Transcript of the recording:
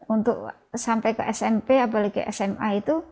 untuk sampai ke smp apalagi sma itu